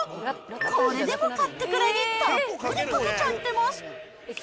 これでもかってくらいにたっぷりかけちゃってます。